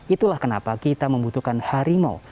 itulah kenapa kita membutuhkan harimau